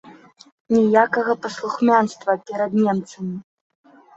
Ніякага паслухмянства перад немцамі!